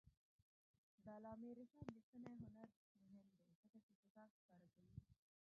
د علامه رشاد لیکنی هنر مهم دی ځکه چې فساد ښکاره کوي.